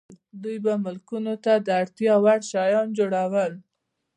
دوی به مالکانو ته د اړتیا وړ شیان جوړول.